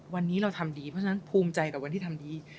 วันนี้เราทำดีเพราะฉะนั้นภูมิใจกับวันที่ทำดี